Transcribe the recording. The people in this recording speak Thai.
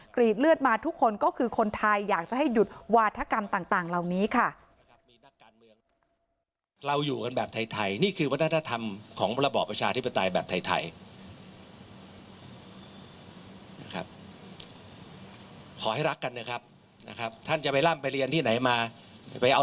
รีดเลือดมาทุกคนก็คือคนไทยอยากจะให้หยุดวาธกรรมต่างเหล่านี้ค่ะ